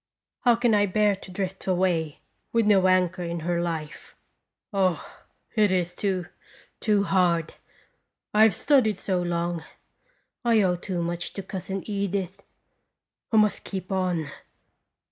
How can I bear to drift away with no anchor in her life? Oh, it is too, too hard. I have studied so long ; I owe too much to Cousin Edith. I must keep on.